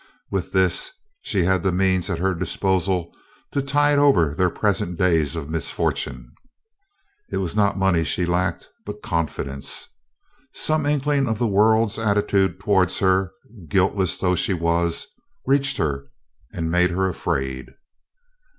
With this she had the means at her disposal to tide over their present days of misfortune. It was not money she lacked, but confidence. Some inkling of the world's attitude towards her, guiltless though she was, reached her and made her afraid.